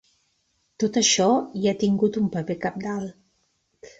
Tot això hi ha tingut un paper cabdal.